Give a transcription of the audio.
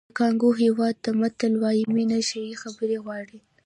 د کانګو هېواد متل وایي مینه ښې خبرې غواړي.